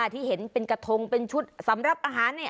ที่เห็นเป็นกระทงเป็นชุดสำหรับอาหาร